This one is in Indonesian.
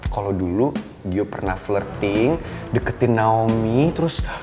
kalo dulu jiho pernah flirting deketin naomi terus